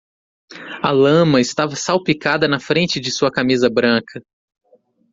A lama estava salpicada na frente de sua camisa branca.